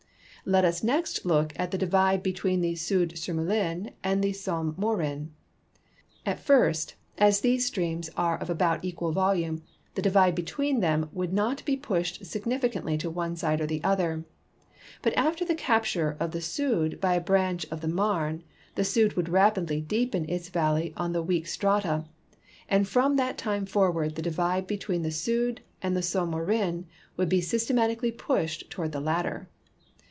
Let us next look at the divide between the Soude Surmelin and the Somme Morin. At first, as these streams are of about equal volume, the divide between them would not be pushed significantly to one side or the other, but after the ca))ture of the Sonde by a branch of the Marne, the Soude would rapid I deepen its valley on the weak strata, and from that time forward the di videbetween the Soiideand theSomme Morin would be system atically pushed toward the latter.